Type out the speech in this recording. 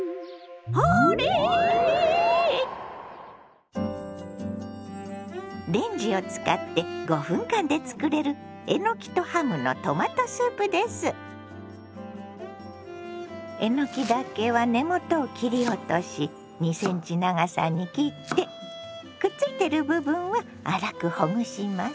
あれ⁉レンジを使って５分間で作れるえのきだけは根元を切り落とし２ｃｍ長さに切ってくっついてる部分を粗くほぐします。